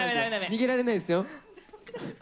逃げられないですよ。